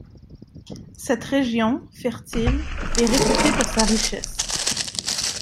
Cette région, fertile, est réputée pour sa richesse.